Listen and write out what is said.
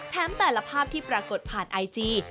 แต่ละภาพที่ปรากฏผ่านไอจี